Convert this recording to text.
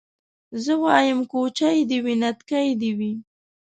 زه وايم کوچۍ دي وي نتکۍ دي وي